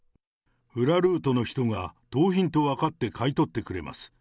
裏ルートの人が盗品と分かって買い取ってくれます。